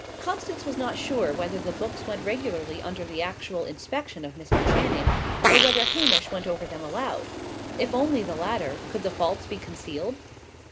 Constance was not sure whether the books went regularly under the actual inspection of Mr. Channing, or whether Hamish went over them aloud. If only the latter, could the faults be concealed?